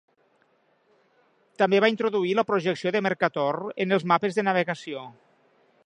També va introduir la projecció de Mercator en els mapes de navegació.